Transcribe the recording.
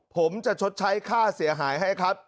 ผมจะชดใช้ค่าเสียหายให้ครับ